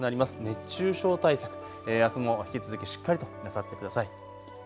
熱中症対策、あすも引き続きしっかりとなさってください。